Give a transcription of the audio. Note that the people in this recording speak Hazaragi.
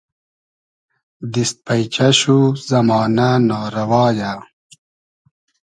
دیست پݷچۂ شو زئمانۂ نا رئوا یۂ